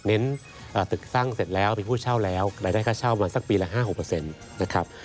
เน้นตึกสร้างเสร็จแล้วเป็นผู้เช่าแล้วรายได้ค่าเช่าประมาณสักปีละ๕๖นะครับ